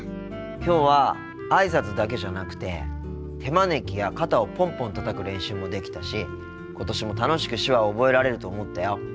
きょうはあいさつだけじゃなくて手招きや肩をポンポンたたく練習もできたし今年も楽しく手話を覚えられると思ったよ。